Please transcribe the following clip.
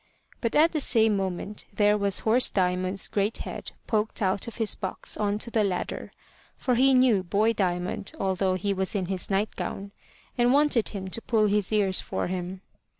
But at the same moment there was horse Diamond's great head poked out of his box on to the ladder, for he knew boy Diamond although he was in his night gown, and wanted him to pull his ears for him.